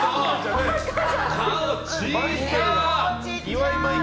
顔が小さい！